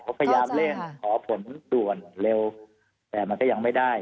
เขาพยายามเร่งขอผลด่วนเร็วแต่มันก็ยังไม่ได้